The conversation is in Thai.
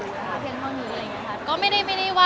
เพียงเท่านี้อะไรอย่างนี้ค่ะ